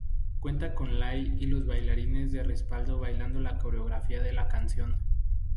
Cuenta con Lay y los bailarines de respaldo bailando la coreografía de la canción.